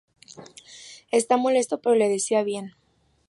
Está molesto, pero le desea bien.